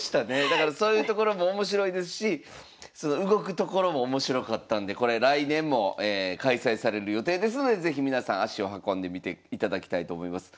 だからそういうところも面白いですしその動くところも面白かったんでこれ来年も開催される予定ですので是非皆さん足を運んでみていただきたいと思います。